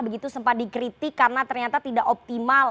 begitu sempat dikritik karena ternyata tidak optimal